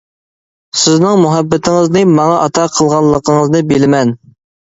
سىزنىڭ مۇھەببىتىڭىزنى ماڭا ئاتا قىلغانلىقىڭىزنى بىلىمەن.